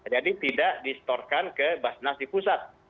jadi tidak distorkan ke basnas di pusat